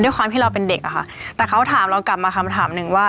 ด้วยความที่เราเป็นเด็กอะค่ะแต่เขาถามเรากลับมาคำถามหนึ่งว่า